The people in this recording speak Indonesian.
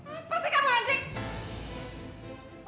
apa sih kamu hendrik